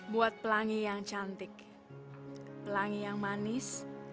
buat pelangi yang cantik telangi yang manis kenapa kamu selalu murung